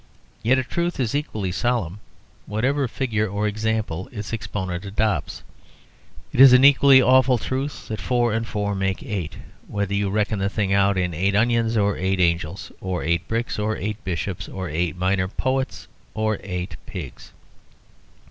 Yet a truth is equally solemn whatever figure or example its exponent adopts. It is an equally awful truth that four and four make eight, whether you reckon the thing out in eight onions or eight angels, or eight bricks or eight bishops, or eight minor poets or eight pigs.